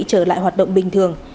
trở lại hoạt động bình thường